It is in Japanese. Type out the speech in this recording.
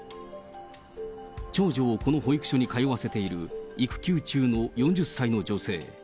長女をこの保育所に通わせている育休中の４０歳の女性。